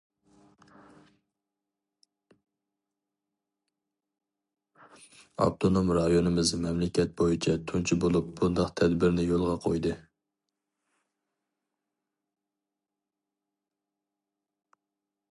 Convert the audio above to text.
ئاپتونوم رايونىمىز مەملىكەت بويىچە تۇنجى بولۇپ بۇنداق تەدبىرنى يولغا قويدى.